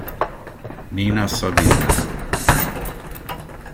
Nina Savina